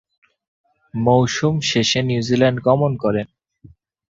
মৌসুম শেষে নিউজিল্যান্ড গমন করেন।